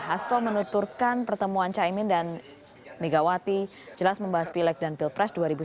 hasto menuturkan pertemuan caimin dan megawati jelas membahas pileg dan pilpres dua ribu sembilan belas